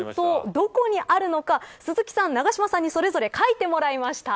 どこにあるのか鈴木さんと永島さんにそれぞれ書いてもらいました。